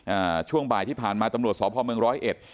อ่าช่วงบ่ายที่ผ่านมาตำรวจสพเมืองร้อยเอ็ด